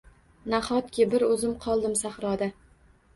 Nahotki bir oʻzim qoldim sahroda.